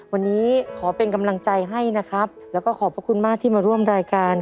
วันนี้ขอเป็นกำลังใจให้นะครับแล้วก็ขอบพระคุณมากที่มาร่วมรายการ